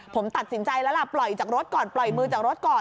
ผมตัดสินใจแล้วล่ะปล่อยจากรถก่อนปล่อยมือจากรถก่อน